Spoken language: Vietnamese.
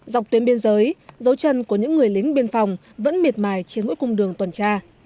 dọc tuyến biên giới dấu chân của những người lính biên phòng vẫn miệt mài trên mỗi cung đường tuần tra